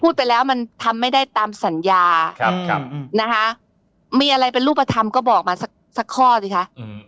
พูดไปแล้วมันทำไม่ได้ตามสัญญานะคะมีอะไรเป็นรูปธรรมก็บอกมาสักข้อสิคะ